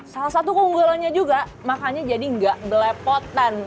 salah satu keunggulannya juga makannya jadi gak belepotan